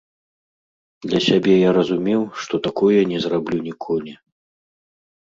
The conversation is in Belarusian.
Для сябе я разумеў, што такое не зраблю ніколі.